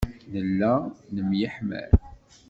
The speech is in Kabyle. Nella nemyeḥmal.